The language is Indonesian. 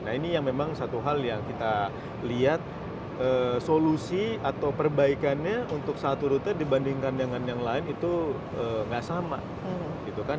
nah ini yang memang satu hal yang kita lihat solusi atau perbaikannya untuk satu rute dibandingkan dengan yang lain itu nggak sama gitu kan